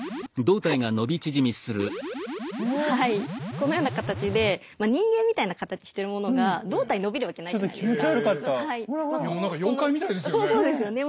このような形で人間みたいな形してるものが胴体伸びるわけないじゃないですか。